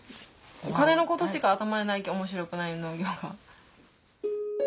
お金のことしか頭にないけ面白くない農業が。